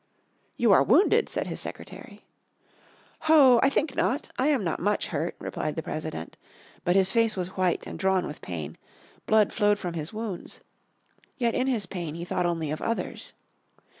"You are wounded," said his secretary. "Ho, I think not. I am not much hurt," replied the President. But his face was white and drawn with pain; blood flowed from his wounds. Yet in his pain he thought only of others.